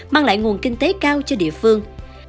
mang lại nguồn kinh tế cao cho địa phương